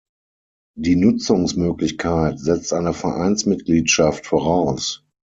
Die Nutzungsmöglichkeit setzt eine Vereinsmitgliedschaft voraus.